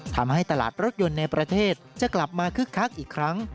ทำให้ตลาดรถยนต์ในประเทศจะกลับมาคึกคักอีกครั้ง